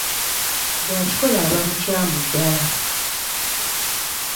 Bw'akikola aba mukyamu ddala!